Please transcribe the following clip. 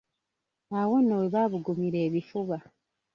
Awo nno we baabugumira ebifuba.